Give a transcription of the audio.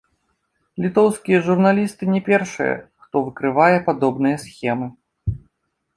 Літоўскія журналісты не першыя, хто выкрывае падобныя схемы.